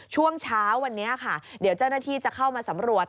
ช่วงเช้าวันนี้ค่ะเดี๋ยวเจ้าหน้าที่จะเข้ามาสำรวจ